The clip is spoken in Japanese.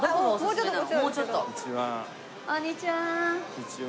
こんにちは。